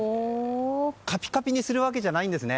カピカピにするわけじゃないんですね。